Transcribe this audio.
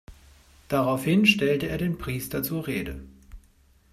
Daraufhin stellte er den Priester zur Rede.